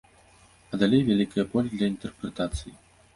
А далей вялікае поле для інтэрпрэтацый.